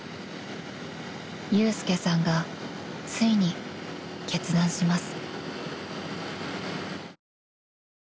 ［祐介さんがついに決断します］